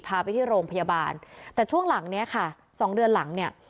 พาไปที่โรงพยาบาลแต่ช่วงหลังเนี้ยค่ะสองเดือนหลังเนี่ย